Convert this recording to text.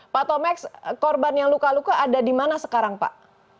pak tomeks korban yang luka luka ada di mana sekarang pak